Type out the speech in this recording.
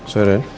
selamat sore dan